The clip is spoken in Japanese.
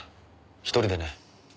１人でね。